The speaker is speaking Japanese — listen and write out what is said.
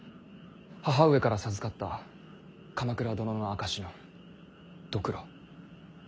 母上から授かった鎌倉殿の証しのドクロ。